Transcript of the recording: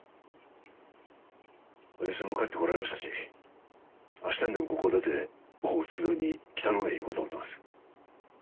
おやじさんも帰ってこられましたし明日にでもここを出てオホーツク沿いに北の方へ行こうと思ってます。